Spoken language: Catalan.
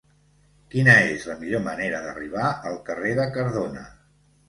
Quina és la millor manera d'arribar al carrer de Cardona?